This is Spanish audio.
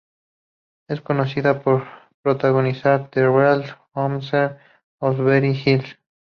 Es conocida por protagonizar "The Real Housewives of Beverly Hills".